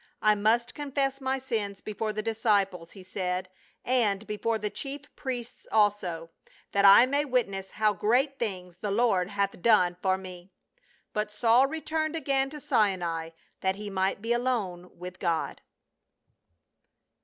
•' I must confess my sins before the disciples," he said, "and before the chief priests also, that I may wit ness how great things the Lord hath done for me." But Saul returned again to Sinai that he might be alone with God.